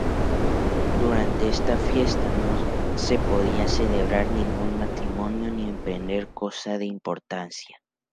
Durante esta fiesta no se podía celebrar ningún matrimonio ni emprender cosa de importancia.